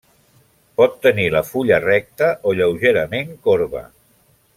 Pot tenir la fulla recta o lleugerament corba.